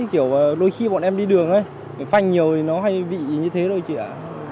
kiểu đôi khi bọn em đi đường ấy phanh nhiều thì nó hay vị như thế thôi chị ạ